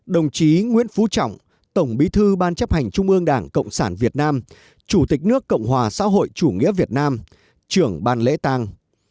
đồng chí nguyễn phú trọng tổng bí thư ban chấp hành trung ương đảng cộng sản việt nam chủ tịch nước cộng hòa xã hội chủ nghĩa việt nam trưởng ban lễ tang